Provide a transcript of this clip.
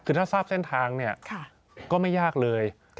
คือถ้าทราบเส้นทางเนี่ยก็ไม่ยากเลย